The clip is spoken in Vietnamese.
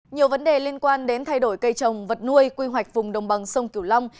nhiều vấn đề liên quan đến thay đổi cây trồng vật nuôi quy hoạch vùng đồng bằng sông cửu long